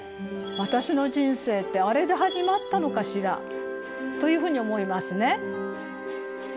私の人生ってあれで始まったのかしらというふうに思いますね。